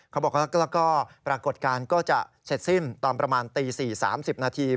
เขาบอกแล้วก็ปรากฏการณ์ก็จะเสร็จสิ้นตอนประมาณตี๔๓๐นาที